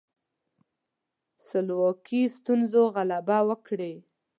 سلوکي ستونزو غلبه وکړي.